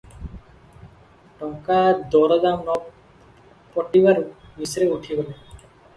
ଟଙ୍କା ଦରଦାମ ନ ପଟିବାରୁ ମିଶ୍ରେ ଉଠିଗଲେ ।